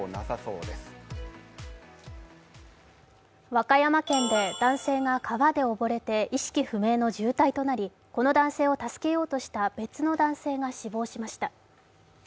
和歌山県で男性が川で溺れて意識不明の重体となりこの男性を助けようとした別の男性が死亡しました。